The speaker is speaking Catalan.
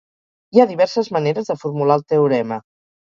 Hi ha diverses maneres de formular el teorema.